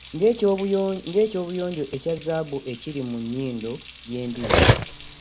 Ng'ekyobuyonjo ekya zaabu ekiri mu nnyindo y'embizzi.